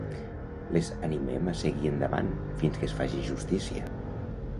Les animem a seguir endavant fins que es faci justícia.